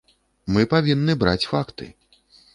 Мы павінны браць факты.